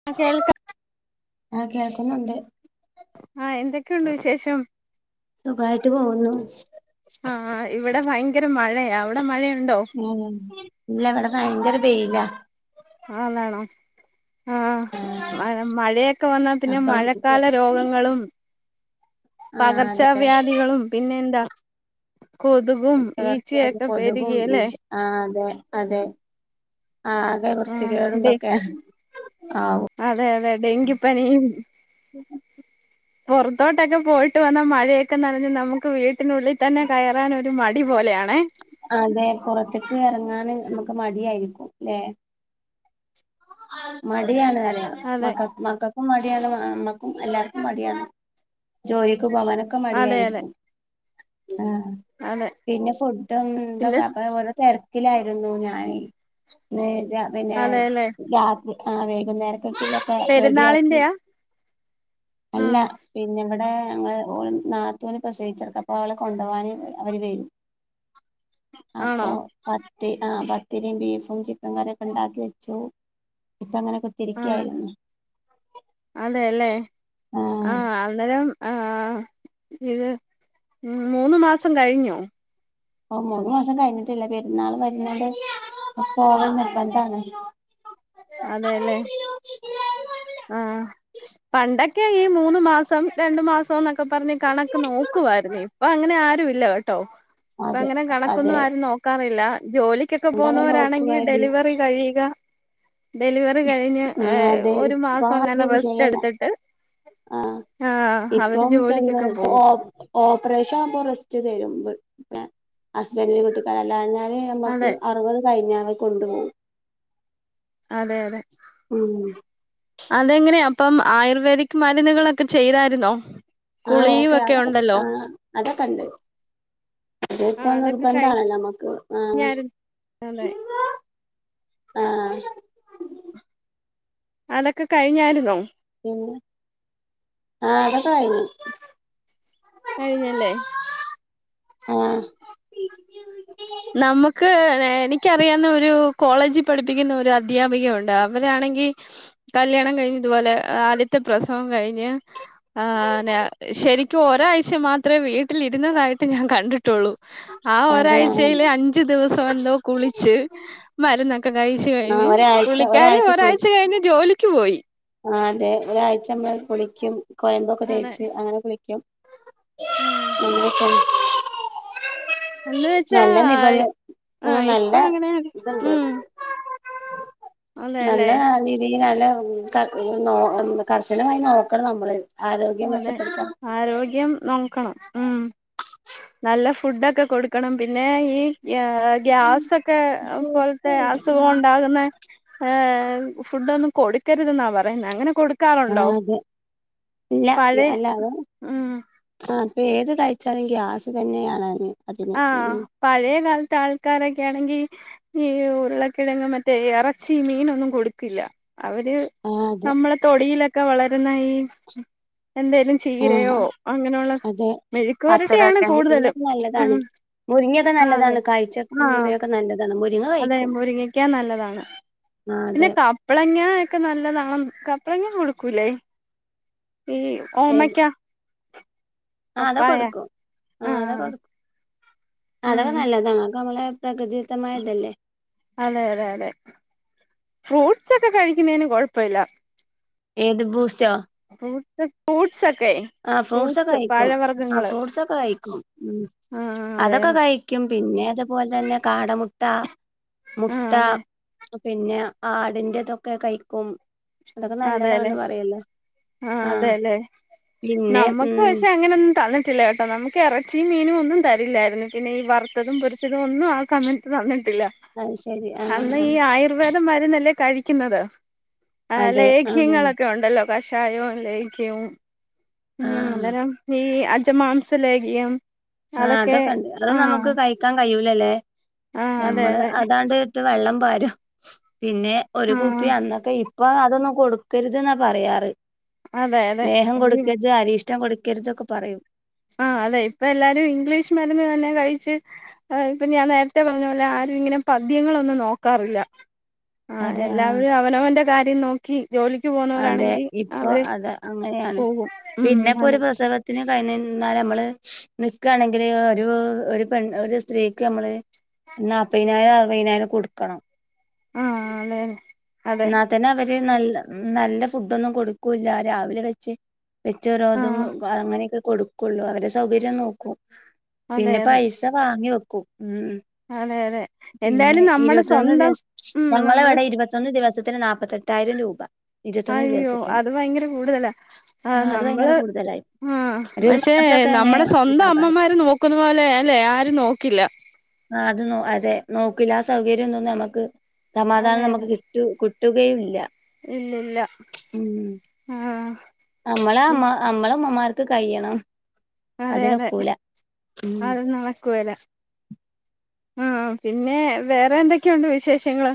[unintelligible] ആഹ് കേൾക്കുന്നുണ്ട് ആഹ് എന്തൊക്കെയുണ്ട് വിശേഷം സുഖായിട്ട് പോകുന്നു ആഹ് ഇവിടെ ഭയങ്കര മഴയാ അവിടെ മഴയുണ്ടോ ഉം ഇല്ല ഇവിടെ ഭയങ്കര ബെയില്ല [unintelligible] ആഹ് മഴയൊക്കെ വന്നാൽ പിന്നെ അപ്പം മഴക്കാല രോഗങ്ങളും ആഹ് പകർച്ച അതെ വ്യാധികളും പിന്നെ എന്താ കൊതുക [unintelligible] ഒരു കൊതുകും ആഹ് അതെ അതെ ആഹ് അതെ ആ വൃത്തി ഡെ കേടന്തൊക്കെയാണ് ആഹ് അതെ അതെ ഡെങ്കി പനിയും പുറത്തോട്ടൊക്കെ പോയിട്ട് വന്ന മഴയൊക്കെ നനഞ്ഞ് നമുക്ക് വീട്ട ത്തിനുള്ളിൽ തന്നെ കയറാൻൊ ഒരു മടി പോലെയാണ അതെ പുറത്തേക്ക് ഇറങ്ങൻ നമുക്ക് മടിയായിരിക്കും അല്ലെ മടിയാണ് കറയ അതെ മക്ക മക്കൾ മടിയാണ്മ്മക്കും എല്ലാവർക്കും മടിയാണ് ജോലിക്ക് പോകവാന പക്ക അതെ അതെ മടിയാരിക്ക ആഹ് അതെ പിന്നെ ഫുഡും പിന്നെ എന്തൊക്കെ അപ്പൊ ഓരോ തിരക്കിലായിരുന്നു ഞാൻ പിന്നെ അതെല്ലേ രാത്രി ആഹ് വൈകുന്നേരക്കൊക്ക ക്ക റെഡി ആക്കി പെരുന്നാളിന്റെയാ ആ അല്ല പിന്നെ ഇവിടെ ഞങ്ങള്ൾ ഓ നാത്തന് പ്രസേവിച്ചർക്കപ്പോ അവളെ കൊണ്ടു പോവാന് അവര് വരും [inaudible] ആണോ അപ്പൊ പത്തി ആഹ് പത്തിരിയും ബീഫും ചിക്കൻ കറിയൊക്കെ ഉണ്ടാക്കി വെച്ചു ഇപ്പ അങ്ങനെയൊക്കെത്തിരിക്കായിരുന്നു അതെയല്ലേ ആ ആഹ് അന്നേരം ആഹ് ഇത് മൂന്ന് മാസം കഴിഞ്ഞു ഓ മുന്നു മാസം കഴിഞ്ഞിട്ടില്ല പെരുന്നാൾ വരുന്നാള് പോകന്ന ഇപ്പ നിർബന്താണ് അതെല്ലേ ആഹ് പണ്ടൊക്കെ ഈ മൂന്ന് മാസം രണ്ടു മാസം എന്നൊക്കെ പറഞ്ഞ് കണക്ക് നോക്കുവാരുന്ന ഇപ്പ അങ്ങനെ ആരും ഇല്ല കേട്ടോ ഇപ്പ അതെ അങ്ങനെ കണക്കൊന്നും അതെ ആരും നോക്കാറില്ല ജോലി ക്ക് പണ്ടങ്ങനെ പോവന്നവരാണെങ്കി നോക്കുവായിരുന്നു ഡെലിവറി കഴിയുക ഡെലിവറി കഴിഞ്ഞ് ഒരു മാസം അങ്ങനെ [unintelligible] റെസ്റ്റ് വിഷയല്ല എടുത്തിട്ട് ആഹ് ആഹ് അവര് ഇപ്പം ജോലിക്കൊക്കെ പോവും [unintelligible] ഓപ്പറേഷൻപ്പൊ റിസ്റ്റ് തരും ഹസ്ബൻഡില് കുട്ടിക്കാര അല്ലഞ്ഞാല് നമ്മക്ക് അതെ അറുപത് കഴിഞ്ഞാവെ കൊണ്ടുപോകും അതെ അതെ ഉം അതെങ്ങനെയാ അപ്പം ആയുർവേദിക് മരുന്നുകളൊക്കെ ചെയ്തായിരുന്നോ ആഹ് ഗുളികയും ഓക്കെ ഒക്കെ അതൊക്കെ ഉണ്ടല്ലോ ആഹ് അതൊക്കെണ്ട് അത് ഇപ്പോ ആഹ് അതൊക്കെ നിർബന്ധം ആണല്ലോ നമ്മുക്ക് ആഹ് കഴിഞ്ഞായിരുന്നു അതെ ആഹ് അതൊക്കെ കഴിഞ്ഞായിരുന്നോ പിന്ന അതൊക്കെ കഴിഞ്ഞ് കഴിഞ്ഞല്ലേ ആഹ് നമുക്ക് എനിക്കറിയുന്ന ഒരു കോളേജിൽ പഠിപ്പിക്കുന്ന ഒരു അദ്ധ്യാപികുണ്ട് അവരാണെങ്കിൽ കല്യാണം കഴിഞ്ഞ് ഇതുപോലെ ആദൃത്തെ പ്രസവം കഴിഞ്ഞ്. ആഹ് ശരിക്കും ഒരാഴ്ച മാത്രമേ വീട്ടിലിരുന്നതായിട്ട് ഞാൻ കണ്ടിട്ടുള്ളൂ. ആഹ് അതെ ആഹ് ഒരാഴ്ചയില് അഞ്ചു ദിവസം എന്തോ കുളിച്ച് മരുന്നൊക്കെ കഴിച്ച് ആഹ് കഴിഞ്ഞ് ഒരാഴ്ച പുള്ളിക്കാര് കുളി ഒരാഴ്ച കഴിഞ്ഞ് ജോലിക്ക് പോയി. ആഹ് അതെ ഒരാഴ്ച നമ്മള് കുളിക്കും കോയമ്പ് ഒക്കെ അതെ തേച്ച് അങ്ങനെ കുളിക്കും. ഉം [unintelligible] എന്ന് വെച്ചാ നല്ല നിർബന്ധം ആഹ് നല്ല ഇപ്പൊ അങ്ങനെ ഇതുണ്ട് ഉം അതെല്ലേ നല്ല നി ഇ നല്ല കർശനമായി നോക്കണം നമ്മള് ആരോഗ്യം അതെ മെച്ചപ്പെടുത്താം ആരോഗ്യം നോക്കണം ഉം നല്ല ഫുഡൊക്കെ കൊടുക്കണം പിന്നെ ഈ ഗ്യാസൊക്കെ പോലത്തെ അസുഖം ഉണ്ടാകുന്ന ഏഹ് ഫുഡ് ഒന്നും കൊടുക്കരുതെന്നാ പറയുന്ന അങ്ങനെ കൊടു ആ നിക്കാറുണ്ടോ അതെ പഴയ ഉം ആഹ് അപ്പൊ ഏത് കഴിച്ചാലും ഗ്യാസ് തന്നെയാണ്ന് ആഹ് പഴയ കാല്ത്ത ആൾക്കാരൊക്കയാണെങ്കി. ഈ ഉള്ളക്കിഴങ്ങ് മറ്റേ എറച്ചി മീനൊന്നും കൊട്ക്കില്ല. അവര് ആ അതെ നമ്മളെ തൊടിയിലൊക്ക വളര്ന്ന ഈ എന്തേലും ആ ചീരയോ അങ്ങനെ ഉള്ള അതെ മെഴുക്ക് വരട്ടിയാണ് കൂടുതലും ഉം മുരിങ്ങൊക്ക ആ അതെ നല്ലതാണ് കാഴ്ചക്കും നല്ലതാണ് മുരിങ്ങ അത കഴിക്കും മുരിങ്ങക്ക നല്ലതാണ് ആ പിന്നെ അതെ ക കപ്പള്ങ്ങാ ഒക്കെ നല്ലതാണ കപ്പള്ങ്ങ കൊടുക്കൂലെ ഈ ഏത് ഓമ്മക്കാ ആ അതൊക്കെ പപ്പായ ആഹ് ഉം അതൊക്ക നല്ലതാണ് അവൊക്ക നമ്മളെ പ്രകൃതിത്തമായ ഇതല്ലേ അതെ അതെ അതെ ഫ്രൂട്ട്സൊക്ക കഴിക്ക്ന്നീന് കൊഴപ്പല്ല ഏത് ബൂസ്റ്റൊ ഫൂസ് ഫ്രൂട്സൊക്കെ ആഹ് ഫ്രൂട്ട്സൊക്ക കഴിക്കും ആഹ് ഫ്രൂട്ട്സൊക്ക കഴിക്കും ഉം ആഹ് അതെ അതൊക്ക അതെ കഴ് ക്കും പിന്നെ അതുപോലെ തന്നെ കാടമുട്ട ആഹ് മുട്ട അതെ പിന്നെ ആടിന്റതൊക്കെ കഴിക്കും അതൊക്ക അതെ അല്ലെ നല്ലതാന്ന് പറയല്ലോ ആഹ് ആ അതേല്ലെ പിന്നെ നമ്മക്ക് ഉം പക്ഷെ അങ്ങനെ തന്നിട്ടില്ല കെട്ടോ നമുക്ക് എറച്ചിം മീനും ഒന്നും തരില്ലായിരുന്നു പിന്നെ ഈ വറുത്തതും പൊരിച്ചതും ഒന്നും ആൾ കമ തന്നിട്ടില്ല അത് ശരി ആ അന്ന് ആ. ഈ ആയുർവേദ മരുന്നല്ലെ കഴിക്ക്ന്നത് ആഹ് അതെ ആ ലേഖ്യങ്ങളൊക്ക ഉണ്ടല്ലൊ കഷായൊം ലേഖ്യം ഉം ആ അന്നേരം ഈ അജമാംസ ലേഖ്യം ആഹ് അതൊക്കെ അതൊക്കണ്ട് അത് ആഹ് നമക്ക് ക ക്കാൻ കയ്യൂലലെ ആഹ് അതെ ഞമ്മള് അതെ അതാണ്ട് ഇട്ട് വെള്ളം പാരും പിന്നെ ഒരു കുപ്പി ആഹ് അന്നൊക്ക ഇപ്പാ അതൊന്നും കൊടുക്കര്ത് ന്ന പറയാറ് അതെ അതെ ലേഹം കൊട്ക്കജ് അരിഷ്ടം കൊട്ക്കരുത് ഒക്ക പറയും. ആഹ് അതെ ഇപ്പ എല്ലാരും ഇംഗ്ലീഷ് മരുന്ന് തന്നെ കഴിച്ച്. ഇപ്പ ഞാൻ നേര്ത്തെ പറഞ്ഞ പോലെ ആരും ഇങ്ങനെ പദ്യങ്ങളൊന്നും നോക്കാറില്ല. ആഹ് എല്ലാവരും അവനവന്റെ കാര്യം നോക്കി ജോലിക്ക് പോ അതെ ഇപ്പൊ അതെ അങ്ങനെയാണ് പോകും ഉം പിന്നെപ്പോ ഒരു അതെ പ്രസവ ത്തിന് കഴ നിന്നാൽ നമ്മള് നിക്കാണെങ്കില് ഒരൂ ഒരു പെൺ ഒരു സ്ത്രീക്ക് നമ്മള് നാപ്പയ്നായിരം അറുവയ്നായിരം കൊട്ക്കണം. ആഹ് അതേ ഇന്നാത്തന്നെ അവര് നല്ല നല്ല ഫുഡൊന്നും കൊട്ക്കൂല്ല രാവില വെച്ച് വെച്ച് രോതും ആഹ് അങ്ങനെയൊക്ക കൊട്ക്കൊള്ളു അവരെ സൗകര്യം നോക്കും അതെ പിന്ന അതെ പൈസ വാങ്ങി വെക്കും ഉം അതെ അതെ പിന്ന എന്തായാലും നമ്മുടെ ഇരുപത്തൊന്ന് സ്വന്തം ദിവസ് ഉം നമ്മള് ഞങ്ങളവടെ ഇരുപ തൊന്ന് ദിവസത്തിന് നാപ്പത്തെട്ടായിരം രൂപ ഇരുപത്തൊന്ന് അയ്യോ ദിവസത്തിന് അത് ഭയങ്കര കൂട്തലാ ആ ആഹ് അത് ഭയങ്കര നമ്മള് കൂടുതലായി ആഹ് ഒരു ഒരു പഷേ മാസമൊക്കെ അങ്ങനെ നമ്മടെ സ്വന്തം ഉണ്ടാകാറ് അമ്മമാര് നോക്കുന്ന പോലെ അല്ലെ ആരും നോക്കില്ല ആഹ് അത് അതെ നോക്കില്ല ആഹ് സൗകര്യൊന്നും നമക്ക് സമാധാനം നമക്ക് കി റ്റു കിട്ടുകയുമില്ല ഇല്ലല്ല ആഹ് അമ്മളെ അമ്മ അമ്മള അമ്മമാർക്ക് കഴ്യണം അതെ അതെ അത് നടക്ക്വേല ആഹ് പിന്നെ വേറെ എന്തൊക്കെയുണ്ട് വിശേഷങ്ങള്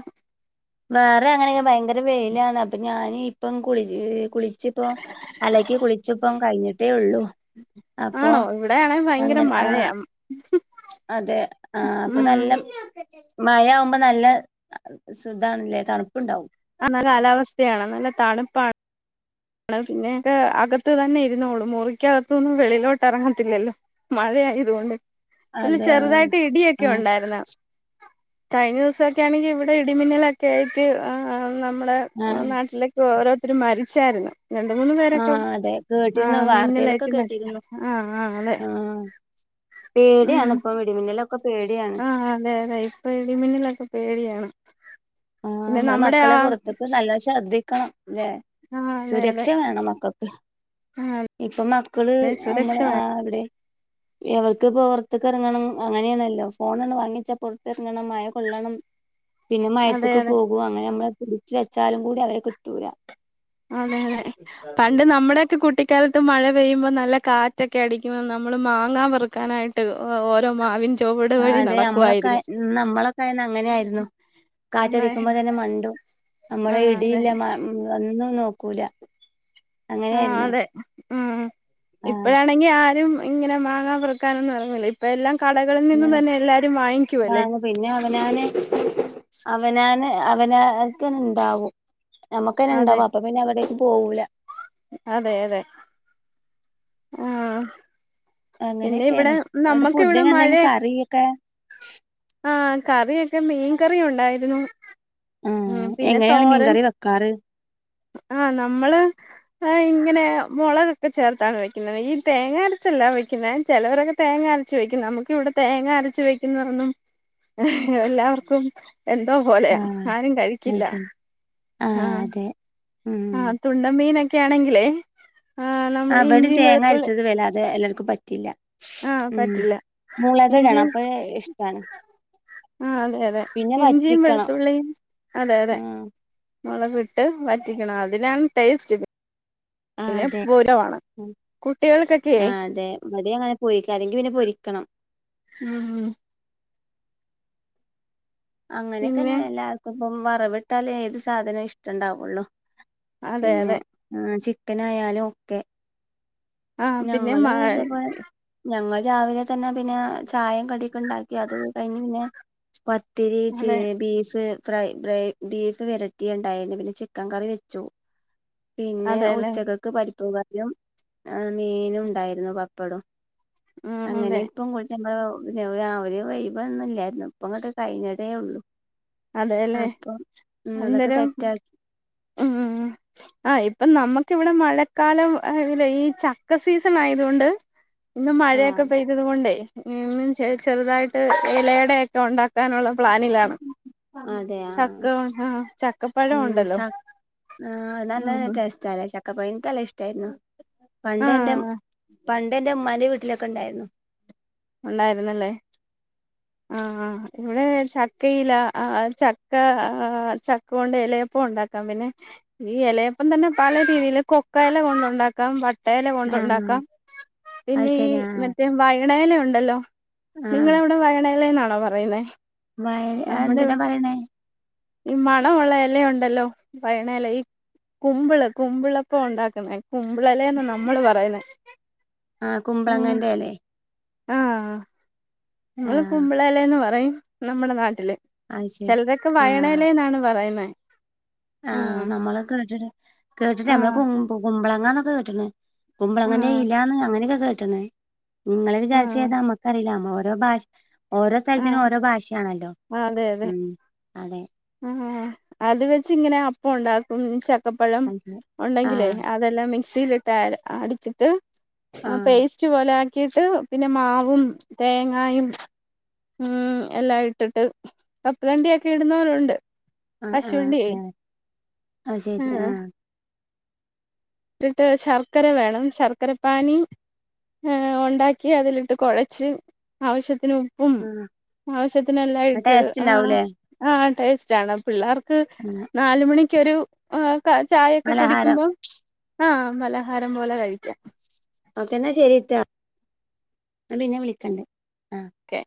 വേറെ അങ്ങനെ ഭയങ്കര വെയിലാണ് അപ്പൊ ഞാന് ഇപ്പം കുളിച് ഇപ്പ അലക്കി കുളിച്പ്പം കഴിഞ്ഞിട്ടേ ഉള്ളു അപ്പൊ ആണോ ഇവിടെയാണെ ഭയങ്കര അങ്ങനെ ആഹ് മഴയാ അതെ ആഹ് ഇപ്പൊ ഉം നല്ലം മഴയാവുമ്പ നല്ല സുഖാണ്ലെ തണ്പ്പ്ണ്ടാവും ആഹ് നല്ല കാലാവസ്ഥയാണ് നല്ല തണ്പ്പാണ് ആഹ് പിന്നെയൊക്ക അകത്ത് തന്നെ ഇരുന്നോളും മുറിക്കകത്ത്ന്ന് വെളിയിലോട്ട എറങ്ങത്തില്ലല്ലൊ മഴ ആയതുകൊണ്ട് നല്ല അതെ ആ ചെറുതായിട്ട് ആ ഇടിയൊക്കെ ഉണ്ടായിരുന്നു കഴിഞ്ഞ ദിവസൊക്കെ ആണെങ്കി ഇവിടെ ഇടിമിന്നലൊക്കെ ആയിട്ട് നമ്മുടെ ആ നാട്ടിലൊക്കെ ഓരോരുത്തരും മരിച്ചായിരുന്നു രണ്ട് മൂന്ന് പേരൊക്കെ ആഹ് അതെ ആ കേട്ടിരുന്നു വാർത്തയിലൊക്കെ മിന്നലായിട്ട് മരിച്ച കേട്ടിരുന്നു ആ ആ അതെ ആഹ് പേടിയാണ് ഇപ്പൊ ഇടിമിന്നലൊക്കെ പേടിയാണ് ആഹ് അതെ അതെ ഇപ്പൊ ഇടിമിന്നിലൊക്കെ പേടിയാണ് ആഹ് പിന്നെ നമ്മുടെ ആ മക്കളെ പുറത്തേക്ക് നല്ലോണം ശ്രദ്ധിക്കണംല്ലേ ആ അതെ സുരക്ഷ അതെ വേണം മക്കൾക്ക് ആ ഇപ്പൊ മക്കള് അതെ സുരക്ഷ നമ്മള് വേണം. ആഹ് അവിടെ അവൾക്ക്പ്പോ പുറത്തക് ഇറങ്ങണം അങ്ങനെയാണല്ലോ ഫോൺണ് വാങ്ങിച്ച പുറത്തിറങ്ങണം മഴ കൊള്ളണം പിന്നെ അതെ മയത്തക്ക് അതെ പോകൂ അങ്ങനെ നമ്മള് പിടിച്ച വെച്ചാലും കൂടി അവരെ കിട്ടൂല അതെ അതെ പണ്ട് നമ്മുടെ ഒക്കെ കുട്ടി മക്കാലത്ത് മഴ പെയ്യുമ്പോൾ നല്ല കാറ്റൊക്കെ അടിക്കുമ്പോൾ നമ്മൾ മാങ്ങാൻ വെറുക്കാനായിട്ട് ഓരോ മാവിൻ ചുവട് ആഹ് വഴി അതെ നമ്മളൊക്കെ നടക്കുവായിരുന്നു നമ്മളൊക്കെ ആയെന്ന് അങ്ങനായിരുന്നു കാറ്റടിക്കുമ്പോ അന്നായിരുന്നു തന്നെ മണ്ടും ആ നമ്മള് അതെ ഇടിയില്ല ഉം ഒന്നും നോക്കൂല ആഹ് അങ്ങനെയായിരുന്നു അതെ ഉം ആഹ് ഇപ്പഴാണെങ്കി ആരും ഇങ്ങനെ മാങ്ങാ പറിക്കാനൊന്നും ഇറങ്ങില്ല അപ്പ എല്ലാം കടകളിൽ നിന്നും അങ്ങനെ തന്നെ എല്ലാരും വാങ്ങിക്കുവ അല്ലേ ആണ് പിന്നെ അവനാന് അവനാന് അവനാക്ക് ഉണ്ടാവും നമ്മുക്ക്ന്നെ അതെ ഉണ്ടാവും അപ്പൊ പിന്നെ അവിടേക്ക് പോകൂല അതെ അതെ ആഹ് പിന്നെ ഇവിടെ അങ്ങനെയൊക്കെയാണ് അവിടെ നമ്മക്ക് ഇവിടെ ഫുഡിന് എന്തേന് മഴയ കറിയൊക്കെ ആഹ് കറിയൊക്കെ മീൻ കറി ഉണ്ടായിരുന്നു ഉം ആഹ് പിന്നെ എങ്ങനെയാണ് തോരൻ മീൻകറി വെക്കാറ് ആഹ് നമ്മള് ആഹ് ഇങ്ങനെ മുളകൊക്കെ ചേർത്താണ് വെക്കുന്നത് ഈ തേങ്ങ അരച്ചല്ലാം വ ചിലവരൊക്കെ തേങ്ങ അരച് വെക്കും നമുക്ക് ഇവിടെ തേങ്ങ അരച്ചു വെക്കുന്നൊന്നും എല്ലാവർക്കും എന്തോ പോലെ ആഹ് ആരും അത് കഴിക്കില്ല ശരി ആഹ് ഉം ആഹ് തുണ്ട മീനൊക്കെ ആണെങ്കിലേ ആഹ് നമ്മൾ ഇവിടെ ഇഞ്ചിയും തേങ്ങ വെളുത്തുള്ളി അരിച്ചത് വലാതെ എല്ലാർക്കും പറ്റില്ല ആഹ് ഉം പറ്റില്ല മുളകടനം ഇഞ്ചിയും അപ്പൊ ഇഷ്ടാണ് ആഹ് അതെ അതെ പിന്നെ ഇഞ്ചിയും വറ്റിക്കണം വെളുത്തുള്ളിയും അതെ അതെ ആഹ് മുളക് ഇട്ട് വറ്റിക്കണം അതിനാണ് ടേസ്റ്റ് ആ പിന്നെ പൂരമാണ് കുട്ടി ആഹ് അതെ ഇവിടിം അങ്ങനെ കോഴി കറി വെക്കും അല്ലെങ്കിൽ പിന്നെ പൊരിക്കണം ഉം പിന്നെ അങ്ങനെയൊക്കെന്ന എല്ലാവർക്കും ഇപ്പം വറവിട്ടാല ഏത് സാധനവും ഇഷ്ടണ്ടാവുള്ളു അതെ അതെ ആഹ് ചിക്കൻ ആയാലും ഒക്കെ ആഹ് പിന്നെ ഞങ്ങള് മഴ ഇതേ പോലെ ഞങ്ങൾ രാവിലെ തന്നെ പിന്നെ ചായയും കടിയും ഉണ്ടാക്കി അത് കഴിഞ്ഞ് പിന്നെ ഒത്തിരി ചേ അതെ ബീഫ് ഫ്രൈ റൈസ് ബീഫ് വെരട്ടിയത് ഉണ്ടായിരുന്നു പിന്നെ ചിക്കൻ കറി വെചു പിന്നെ അതെല്ലേ ഉച്ചക്കക്ക് പരിപ്പ് കറിയും മീനും ഉണ്ടായിരുന്നു പപ്പടവും ഉം അങ്ങനെ അതെ ഇപ്പം കുളിച് രാവിലെ ഒഴിവ് ഒന്നും ഇല്ലായിരുന്നു ഇപ്പ അങ്ങോട്ട് കഴിഞ്ഞിട്ടേ ഉള്ളു അതെല്ലേ അപ്പൊ ഉം അതൊക്കെ അന്നേരം സെറ്റാക്കി ഉം ആഹ് ഇപ്പൊ നമ്മുക്ക ഇവിടെ മഴക്കാലം അല്ലേ ഈ ചക്ക സീസൺ ആയതുകൊണ്ട് ഇന്നും മഴയൊക്കെ ആഹ് പെയ്തത് കൊണ്ടേ ഇന്നും ചെറുതായിട്ട് ഇലയടയൊക്കെ ഉണ്ടാക്കി ഉണ്ടാക്കനുള്ള പ്ലാനിലാണ് അതെ ചക്ക ആഹ് ചക്കപ്പഴം ഉണ്ടല്ലോ ചക്ക ആഹ് അത് നല്ല ഉം ടേസ്റ്റ് ആണ് അല്ലേ ചക്കപ്പഴം എനിക്ക് നല്ല ഇഷ്ടമായിരുന്നു പണ്ട് എന്റെ ആഹ് പണ്ട് എന്റെ ഉമ്മാന്റെ വീട്ടില് ഒക്ക ഉണ്ടായിരുന്നു ഉണ്ടായിരുന്നല്ലേ ! ! ! ! ! ! ! ! ! ! ആഹ് ആഹ് ഇവിടെ ചക്കയില ചക്ക ആഹ് ചക്ക കൊണ്ട് ഇലയപ്പം ഉണ്ടാക്ക പിന്നെ ഈ ഇലയപ്പം തന്നെ പല രീതിയിൽ കൊക്ക ഇല കൊണ്ടുണ്ടാക്കാം ട്ടല കൊണ്ട ആഹ് ഉണ്ടാക്കാം അത് പിന്നെ ഈ ശരി ആഹ് മറ്റേ വയണല ഉണ്ട് ല്ലോ നിങ്ങള ആഹ് അവിടെ വയനലന്നാണോ പറയുന്നേ അത് നമ്മുടെ എന്തിനാ പറയണേ ഈ മണമുള്ള ഇല ഉണ്ടല്ലോ വയനല ഈ കുമ്പിള് കുമ്പിളപ്പം ഉണ്ടാക്കുന്ന കുമ്പിളല്ലേന്ന നമ്മള് പറയുന്ന ആഹ് കുമ്പളങ്ങന്റെ ഇലേ ആഹ് നമ്മള് ആഹ് കുമ്പളലേന്ന് പറയും നമ്മുടെ നാട്ടില് അത് ശരി ചിലരോക്കെ ആഹ് വയണലേ എന്നാണ് പറയുന്നത് ആഹ് നമ്മള് കേട്ടിട്ട് കേട്ടിട്ടില്ല നമ്മള് ആഹ് കു കുമ്പളങ്ങന്നൊക്കെ കേട്ടിക്ക്ണ് കുമ്പളങ്ങന്റെ ആഹ് ഇലാന്ന് അങ്ങനെയൊക്കെ കേട്ടണ് ഇങ്ങള് വിചാരിച്ചത് ആഹ് ഏതാ നമ്മക്കറിയില്ല ഓരോ ഭാഷ ഓരോ സ്ഥലത്തിനും ആഹ് ഓരോ ഭാഷയാണല്ലോ അതെ അതെ ഉം അതെ ആഹ് അത് വെച്ച് ഇങ്ങനെ അപ്പം ഉണ്ടാക്കും ചക്കപ്പഴം ആഹ് ഉണ്ടെങ്കിലേ ആഹ് അതെല്ലാം മിക്സിയിലിട്ട് അടിച്ചിട്ട് ആഹ് പേസ്റ്റ് പോലെ ആക്കിയിട്ട് പിന്നെ മാവും തേങ്ങായും ഉം എല്ലാം ഇട്ടിട്ട് കപ്പലണ്ടിയാക്കി ഇടുന്നവരും ഉണ്ട് ആഹ് കശുവണ്ടിയെ ആഹ് അത് ശരി ആഹ് ഇട്ടിട്ട് ശർക്കര വേണം ശർക്കര പാനി ഏഹ് ഉണ്ടാക്കി അതിലിട്ട് കുഴച്ച് ആവശ്യത്തിനു ഉപ്പ് ഉം ആഹ് ആവശ്യത്തിനെല്ലാം ഇട്ട് ടേസ്റ്റ് ഉണ്ടാവൂലേ ആ ടേസ്റ്റ് ആണ് പിള്ളേർക്ക് [unintelligible] നാലുമണിക്കൊരു ചായൊക്കെ പലഹാരം കുടിക്കുമ്പോ ആഹ് പലഹരം പോലെ കഴിക്കാം ഓക്കെന്നാ ശരിട്ടാ ഞാൻ പിന്നെ വിളിക്കണ്ട് ആ ഓക്കെ